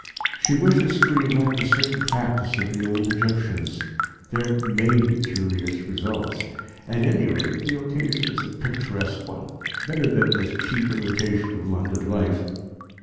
She wishes to revive a certain practice of the old Egyptians. There may be curious results. At any rate, the occasion is a picturesque one better than this cheap imitation of London life."